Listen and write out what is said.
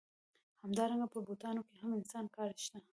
همدارنګه په بوټانو کې هم د انسان کار شته